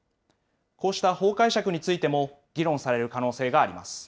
こうした法解釈についても議論される可能性があります。